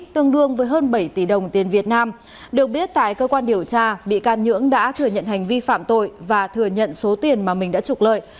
tương đương với hơn bảy tỷ đồng tiền việt nam được biết tại cơ quan điều tra bị can nhưỡng đã thừa nhận hành vi phạm tội và thừa nhận số tiền mà mình đã trục lợi